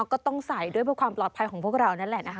ก็ต้องใส่ด้วยความปลอดภัยของพวกเรา